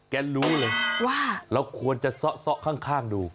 รู้เลยว่าเราควรจะเซาะข้างดู